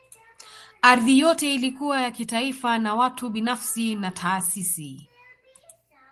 Ardhi yote ilikuwa ya kitaifa na watu binafsi na taasisi